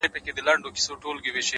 او خپل سر يې د لينگو پر آمسا کښېښود!!